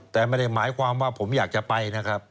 แต่ไม่ได้หมายความว่าผมอยากจะไปนะครับ